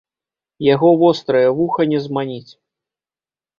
Яго вострае вуха не зманіць.